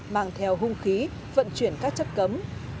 mang theo hung khí vận chuyển các chất cấm